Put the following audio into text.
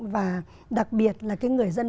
và đặc biệt là cái người dân